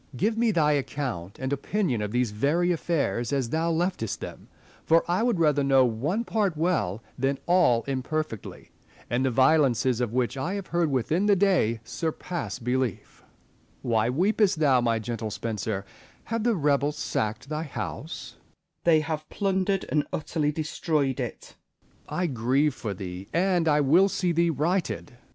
Give me thy account and opinion of these very affairs as thou leftest them ; for I would rather know one part well than all imperfectly ; and the violences of which I have heard within the day surpass belief. Why weepest thou, my gentle Spenser 1 Have the rebels sacked thy house 1 Spenser. They have plundered and utterly destroyed it. Essex. I grieve for thee, and will see thee righted. I02 IMAGINARY CONVERSATIONS.